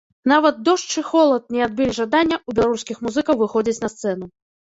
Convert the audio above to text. Нават дождж і холад не адбілі жадання ў беларускіх музыкаў выходзіць на сцэну.